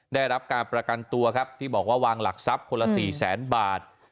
ได้รับการประกันตัวครับที่บอกว่าวางหลักทรัพย์คนละสี่แสนบาท